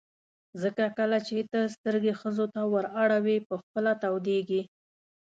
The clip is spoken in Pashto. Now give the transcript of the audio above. ځکه کله چې ته سترګې ښځو ته ور اړوې په خپله تودېږي.